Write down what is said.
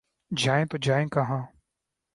جائیں تو جائیں کہاں؟